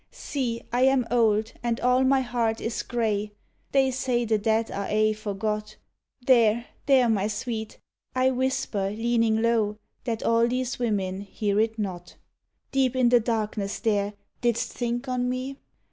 "See, I am old, and all my heart is gray. They say the dead are aye forgot There, there, my sweet! I whisper, leaning low, That all these women hear it not. "Deep in the darkness there, didst think on me?